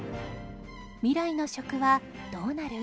未来の食はどうなる？